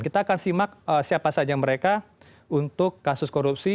kita akan simak siapa saja mereka untuk kasus korupsi